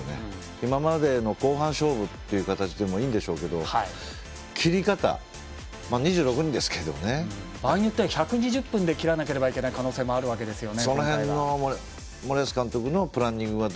今までの後半勝負っていう形でもいいんでしょうけど切り方、２６人ですけどね場合によっては１２０分で切らなければいけない可能性もあるわけですよね。